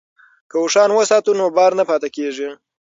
که اوښان وساتو نو بار نه پاتې کیږي.